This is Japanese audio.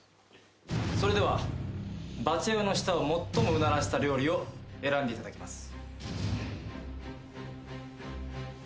それではバチェ男の舌を最もうならせた料理を選んでいただきます。